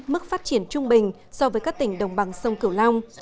mức phát triển trung bình so với các tỉnh đồng bằng sông cửu long